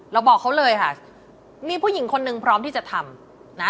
บอกเขาเลยค่ะมีผู้หญิงคนนึงพร้อมที่จะทำนะ